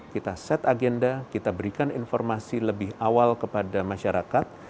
kita set agenda kita berikan informasi lebih awal kepada masyarakat